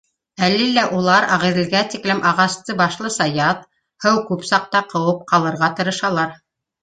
Әле лә улар Ағиҙелгә тиклем ағасты башлыса яҙ, һыу күп саҡта, ҡыуып ҡалырға тырышалар